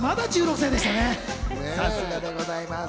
さすがでございます。